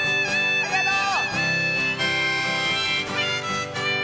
ありがとう！